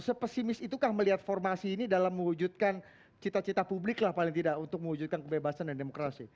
sepesimis itukah melihat formasi ini dalam mewujudkan cita cita publik lah paling tidak untuk mewujudkan kebebasan dan demokrasi